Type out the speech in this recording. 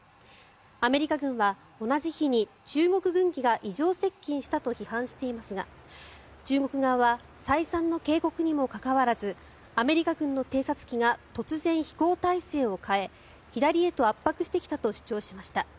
アメリカ軍は同じ日に中国軍機が異常接近したと批判していますが中国側は再三の警告にもかかわらずアメリカ軍の偵察機が突然、飛行態勢を変え左へと圧迫してきたと主張しました。